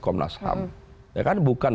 komnas ham ya kan bukan